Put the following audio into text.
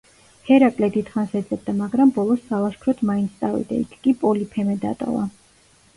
ჰერაკლე დიდხანს ეძებდა, მაგრამ ბოლოს სალაშქროდ მაინც წავიდა, იქ კი პოლიფემე დატოვა.